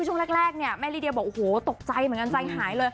ช่วงแรกแม่ลิเดียบอกตกใจเยอะมาก